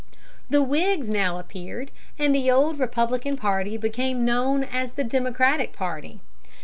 The Whigs now appeared, and the old Republican party became known as the Democratic party.